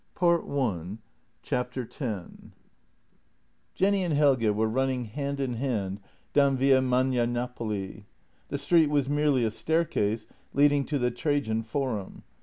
JENNY 105 X J ENNY and Helge were running hand in hand down Via Magnanapoli. The street was merely a staircase, leading to the Trajan Forum.